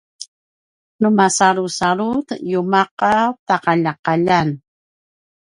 nu masalusalut yuma’ a ta’alja’aljan